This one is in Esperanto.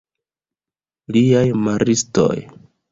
Liaj maristoj!